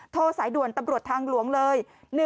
โทรสายด่วนตำรวจทางหลวงเลย